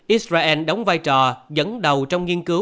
israel đóng vai trò dẫn đầu trong nghiên cứu